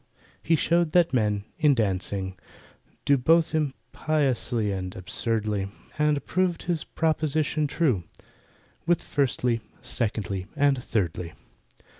He showed that men, in dancing, do Both impiously and absurdly, And proved his proposition true, With Firstly, Secondly, and Thirdly.